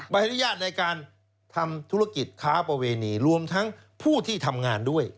ใบอนุญาตในการทำธุรกิจค้าประเวณีรวมทั้งผู้ที่ทำงานด้วย